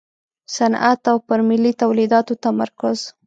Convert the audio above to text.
صنعت او پر ملي تولیداتو تمرکز.